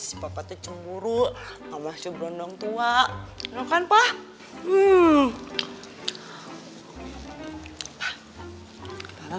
sih papa tuh cemburu enggak masih berondong tua enggak kan pak